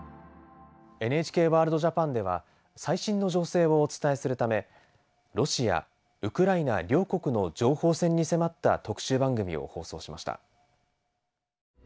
「ＮＨＫＷＯＲＬＤＪＡＰＡＮ」では最新の情勢をお伝えするためロシアウクライナ両国の情報戦に迫った特集番組を放送しました。